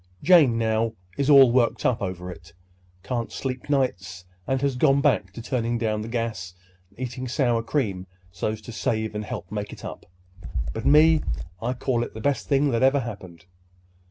Jane, now, is all worked up over it; can't sleep nights, and has gone back to turning down the gas and eating sour cream so's to save and help make it up. But me—I call it the best thing that ever happened."